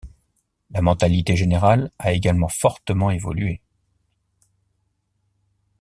La mentalité générale a également fortement évolué.